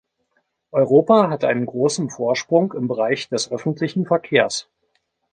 Europa hat einen großen Vorsprung im Bereich des öffentlichen Verkehrs.